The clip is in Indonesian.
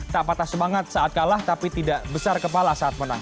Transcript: tak patah semangat saat kalah tapi tidak besar kepala saat menang